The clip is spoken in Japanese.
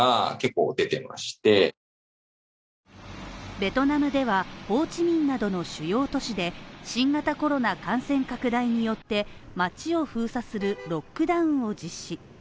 ベトナムではホーチミンなどの主要都市で新型コロナ感染拡大によって街を封鎖するロックダウンを実施